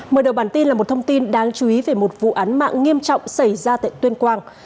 mở đầu bản tin là một thông tin đáng chú ý về một vụ án mạng nghiêm trọng xảy ra tại tuyên quang